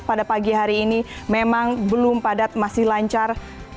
pada pagi hari ini memang belum padat masih lancar